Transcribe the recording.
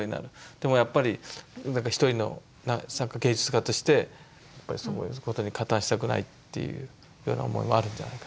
でもやっぱりなんか一人の芸術家としてやっぱりそういうことに加担したくないというような思いもあるんじゃないかと。